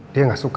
dia gak suka